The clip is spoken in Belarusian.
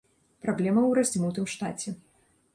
Праблема ў раздзьмутым штаце.